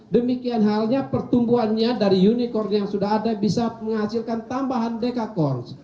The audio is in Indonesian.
demikian halnya pertumbuhannya dari unicorn yang sudah ada bisa menghasilkan tambahan dekakors